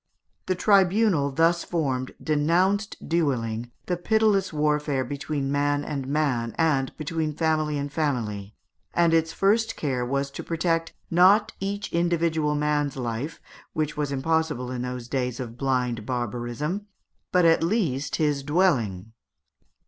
The tribunal thus formed denounced duelling, the pitiless warfare between man and man, and between family and family, and its first care was to protect, not each individual man's life, which was impossible in those days of blind barbarism, but at least his dwelling.